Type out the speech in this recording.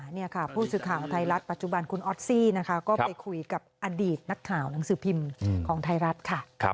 นี่ค่ะผู้สื่อข่าวไทยรัฐปัจจุบันคุณออสซี่นะคะก็ไปคุยกับอดีตนักข่าวหนังสือพิมพ์ของไทยรัฐค่ะ